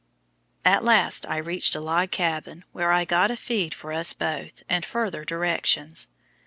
At last I reached a log cabin where I got a feed for us both and further directions.